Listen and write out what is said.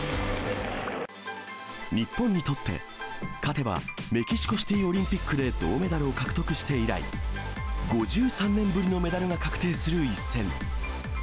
日本にとって、勝てばメキシコシティーオリンピックで銅メダルを獲得して以来、５３年ぶりのメダルが確定する一戦。